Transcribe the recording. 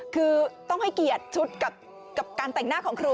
คือต้องให้เกียรติชุดกับการแต่งหน้าของครู